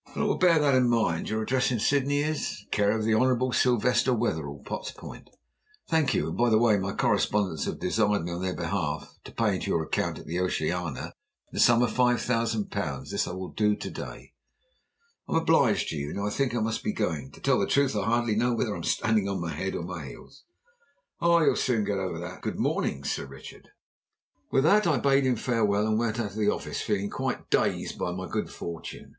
"I will bear that in mind. And your address in Sydney is " "Care of the Honourable Sylvester Wetherell, Potts Point." "Thank you. And, by the way, my correspondents have desired me on their behalf to pay in to your account at the Oceania the sum of five thousand pounds. This I will do to day." "I am obliged to you. Now I think I must be going. To tell the truth, I hardly know whether I am standing on my head or my heels." "Oh, you will soon get over that." "Good morning." "Good morning, Sir Richard." With that, I bade him farewell, and went out of the office, feeling quite dazed by my good fortune.